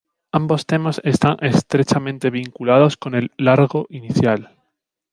Ambos temas están estrechamente vinculados con el "largo" inicial.